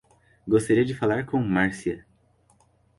Gostaria de falar com Márcia.